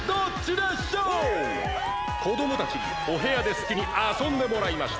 こどもたちにお部屋ですきにあそんでもらいました。